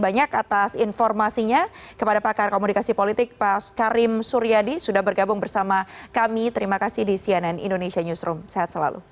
waalaikumsalam warahmatullahi wabarakatuh